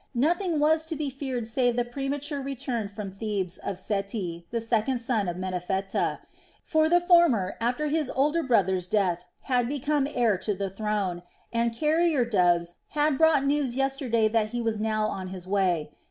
Nothing was to be feared save the premature return from Thebes of Seti, the second son of Menephtah; for the former, after his older brother's death, had become heir to the throne, and carrier doves had brought news yesterday that he was now on his way.